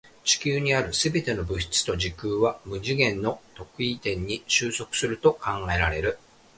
宇宙にある全ての物質と時空は無次元の特異点に収束すると考えられる。